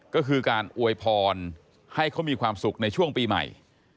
ก็คือการอวยพรให้เขามีความสุขในช่วงปีใหม่